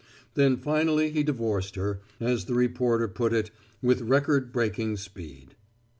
Then finally he divorced her, as the reporter put it, with record breaking speed.